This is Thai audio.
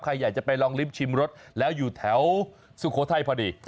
ใครอยากจะไปลองลิ้มชิมรสแล้วอยู่แถวสุโขทัยพอดี